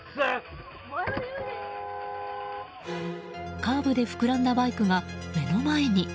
カーブで膨らんだバイクが目の前に。